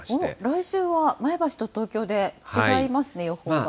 来週は前橋と東京で違いますね、予報が。